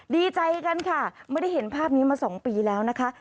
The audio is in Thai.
ดีใจกันค่ะไม่ได้เห็นภาพนี้มา๒ปีแล้วนะคะ